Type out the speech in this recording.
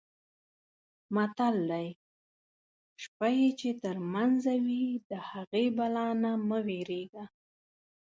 متل دی: شپه یې چې ترمنځه وي د هغې بلا نه مه وېرېږه.